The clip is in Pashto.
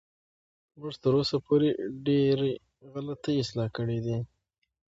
موږ تر اوسه پورې ډېرې غلطۍ اصلاح کړې دي.